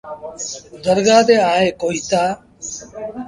درگآه تي آئي ڪوئيٚتآ۔